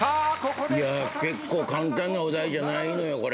簡単なお題じゃないのよこれ。